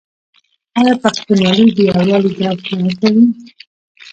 آیا پښتونولي د یووالي درس نه ورکوي؟